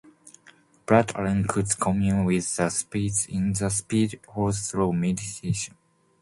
Bart Allen could "commune" with the spirits in the Speed Force through meditation.